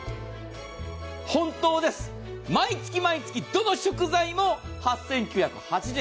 本当です、毎月毎月どの食材も８９８０円。